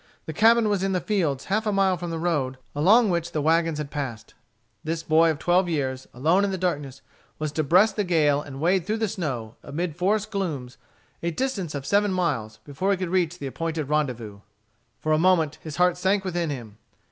The cabin was in the fields, half a mile from the road along which the wagons had passed. This boy of twelve years, alone in the darkness, was to breast the gale and wade through the snow, amid forest glooms, a distance of seven miles, before he could reach the appointed rendezvous. For a moment his heart sank within him.